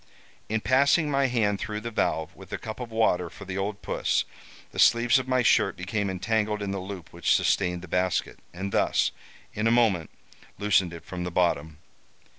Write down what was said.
In passing my hand through the valve, with a cup of water for the old puss, the sleeves of my shirt became entangled in the loop which sustained the basket, and thus, in a moment, loosened it from the bottom.